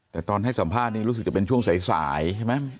แต่ตอนให้สัมภาษณ์นี้รู้สึกจะเป็นช่วงสายใช่ไหม